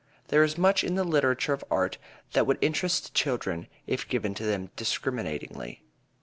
There is much in the literature of art that would interest children if given to them discriminatingly.